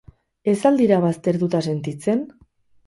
Ez al dira baztertuta sentitzen?